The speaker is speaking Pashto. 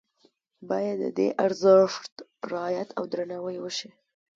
باید د دې ارزښت رعایت او درناوی وشي.